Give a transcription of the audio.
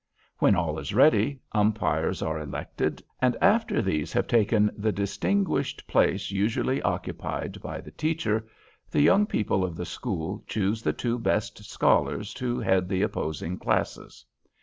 When all is ready, umpires are elected, and after these have taken the distinguished place usually occupied by the teacher, the young people of the school choose the two best scholars to head the opposing classes.